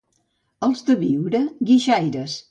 Els de Biure, guixaires.